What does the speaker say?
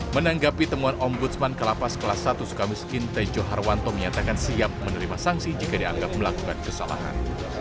menanggapi temuan ombudsman ke lapas kelas satu suka miskin tejo harwanto menyatakan siap menerima sanksi jika dianggap melakukan kesalahan